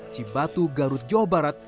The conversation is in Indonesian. cibatu garut jawa barat